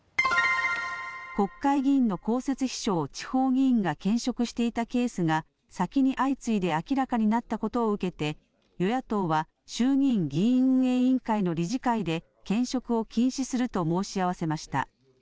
国会議員の公設秘書を地方議員が兼職していたケースが先に相次いで明らかになったことを受けて与野党は衆議院議院運営委員会の理事会で兼職を禁止すると申し合わせました。